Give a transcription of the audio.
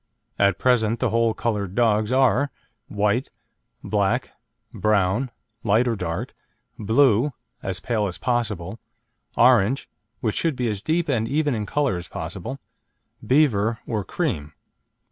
At present the whole coloured dogs are: White, black, brown (light or dark), blue (as pale as possible), orange (which should be as deep and even in colour as possible), beaver, or cream.